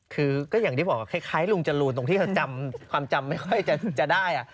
คือก็อย่างที่บอกว่าคล้ายลุงจรูนตรงที่เธอจำความจำไม่ค่อยจะได้